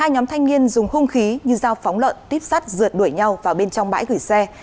hai nhóm thanh niên dùng hung khí như dao phóng lợn tuyếp sắt rượt đuổi nhau vào bên trong bãi gửi xe